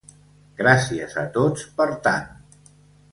Gràcies a tots per tant!